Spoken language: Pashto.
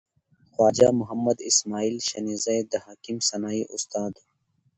خواجه محمد اسماعیل شنیزی د حکیم سنایی استاد و.